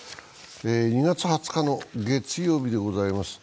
２月２０日の月曜日でございます。